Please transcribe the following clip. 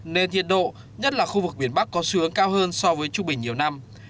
nên nhiệt độ nhất là khu vực biển bắc có xu hướng cao hơn so với trung bình nhiều năm